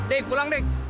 dek pulang dek